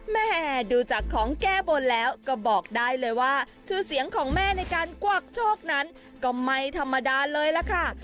แม่ดูจากของแก้บนแล้วก็บอกได้เลยว่าชื่อเสียงของแม่ในการกวักโชคนั้นก็ไม่ธรรมดาเลยล่ะค่ะ